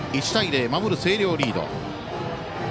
１対０、守る星稜がリード。